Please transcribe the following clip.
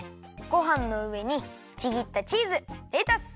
ごはんのうえにちぎったチーズレタス